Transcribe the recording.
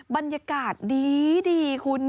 บรรยากาศดีคุณ